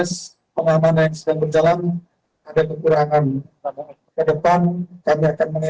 saya selalu berterima kasih untuk niko afinta dan untuk nisaun